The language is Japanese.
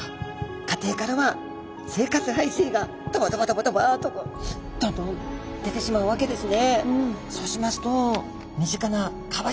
家庭からは生活排水がドバドバドバドバとどんどん出てしまうわけですね。